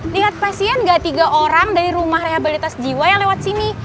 lihat pasien gak tiga orang dari rumah rehabilitas jiwa yang lewat sini